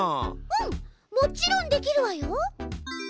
うんもちろんできるわよ。